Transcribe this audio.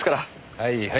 はいはい。